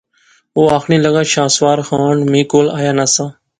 او آخنے لغا شاہ سوار خان میں کول آیا نہ سا